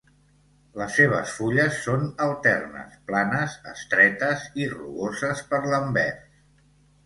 Les seves fulles són alternes, planes, estretes i rugoses per l'anvers.